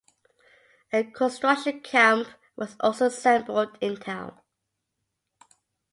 A construction camp was also assembled in town.